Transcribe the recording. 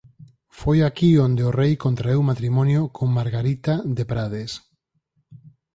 Foi aquí onde o rei contraeu matrimonio con Margarita de Prades.